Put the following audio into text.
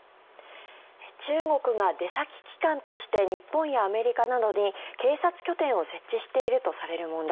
中国が出先機関として日本やアメリカなどに警察拠点を設置しているとされる問題。